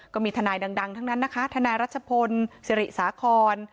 ก็มีทนายดังทั้งนั้นนะคะทนายรัชพลสิริสาคร